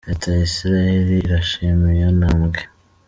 Leta ya Isirayeli irashima iyo ntambwe.